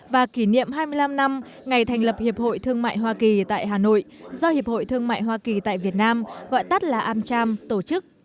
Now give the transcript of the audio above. và kỷ niệm hai mươi năm năm ngày thành lập hiệp hội thương mại hoa kỳ tại hà nội do hiệp hội thương mại hoa kỳ tại việt nam gọi tắt là amcham tổ chức